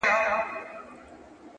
زه د بـلا سـره خـبري كـوم!